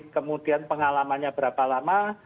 kemudian pengalamannya berapa lama